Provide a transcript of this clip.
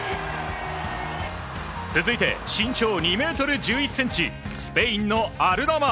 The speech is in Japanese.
続いて、身長２ｍ１１ｃｍスペインのアルダマ。